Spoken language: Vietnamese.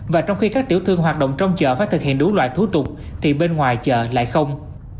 và trong khi các tiểu thương hoạt động trong chợ phải thực hiện đúng loại thú tục thì bên ngoài chợ lại không